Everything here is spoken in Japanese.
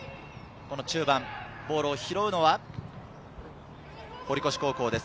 中盤ボールを拾うのは堀越高校です。